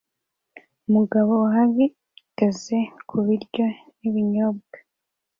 Umugabo uhagaze ku biryo n'ibinyobwa